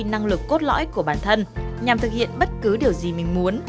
năng lực cốt lõi của bản thân nhằm thực hiện bất cứ điều gì mình muốn